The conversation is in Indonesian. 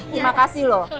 terima kasih loh